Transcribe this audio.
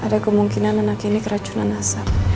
dan ada kemungkinan anak ini keracunan asap